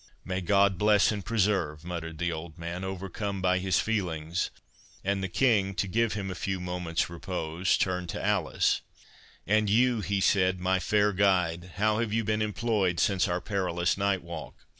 "May God bless—and preserve"—muttered the old man, overcome by his feelings; and the King, to give him a few moments' repose, turned to Alice— "And you," he said, "my fair guide, how have you been employed since our perilous night walk?